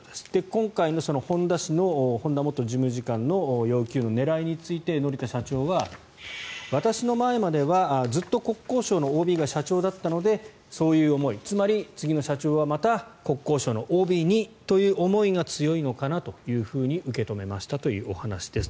今回の本田元事務次官の要求の狙いについて乗田社長は私の前まではずっと国交省のＯＢが社長だったのでそういう思いつまり、次の社長はまた国交省のＯＢにという思いが強いのかなと受け止めましたというお話です。